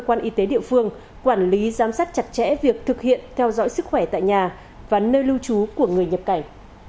cơ quan y tế địa phương quản lý giám sát chặt chẽ việc thực hiện theo dõi sức khỏe tại nhà và nơi lưu trú của người nhập cảnh